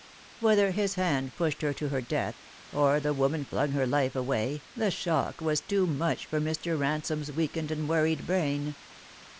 Whether his hand pushed her to her death, or the woman flung her life away, the shock was too much for Mr. Ransome's weakened and worried brain.